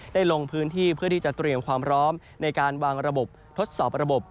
ลงพื้นที่เพื่อที่จะเตรียมความพร้อมในการวางระบบทดสอบระบบ